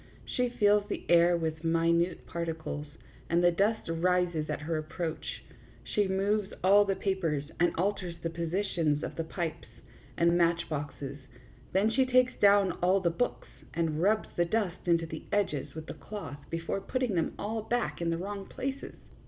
She fills the air with minute particles, and the dust rises at her approach ; she moves all the papers, and alters the positions of the pipes and match boxes ; then she takes down all the books, and rubs the dust into the edges with the cloth before putting them all back in the wrong places.